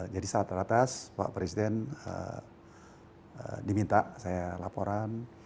jadi saya teratas pak presiden diminta saya laporan